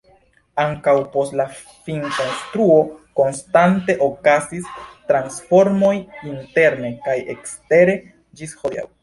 Ankaŭ post la finkonstruo konstante okazis transformoj interne kaj ekstere ĝis hodiaŭ.